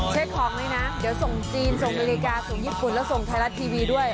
เช็คของเลยนะเดี๋ยวส่งจีนส่งนาฬิกาส่งญี่ปุ่นแล้วส่งไทยรัฐทีวีด้วย